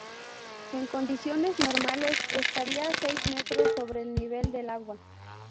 En condiciones normales estaría a seis metros sobre el nivel del agua.